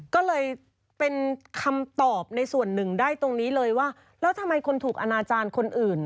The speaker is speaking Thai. ก็เลยเป็นคำตอบในส่วนหนึ่งได้ตรงนี้เลยว่าแล้วทำไมคนถูกอนาจารย์คนอื่น